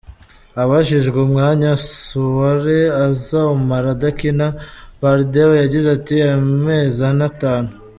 Abajijwe umwanya Souare azomara adakina, Pardew yagize ati: "Amezi ane, atanu.